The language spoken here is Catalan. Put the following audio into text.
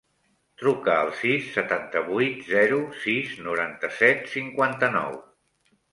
Truca al sis, setanta-vuit, zero, sis, noranta-set, cinquanta-nou.